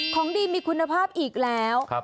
ของดีมีคุณภาพอีกแล้ว